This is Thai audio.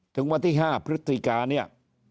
ถึงวันที่๕พฤศจิกาเนี่ย